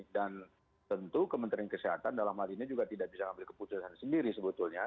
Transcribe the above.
dan tentu kementerian kesehatan dalam hal ini juga tidak bisa ambil keputusan sendiri sebetulnya